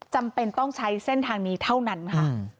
จำเป็นต้องใช้เส้นทางนี้เท่านั้นค่ะ